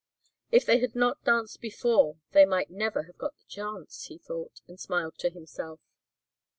"If they had not danced before they might never have got the chance," he thought, and smiled to himself.